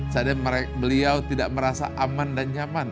seandainya beliau tidak merasa aman dan nyaman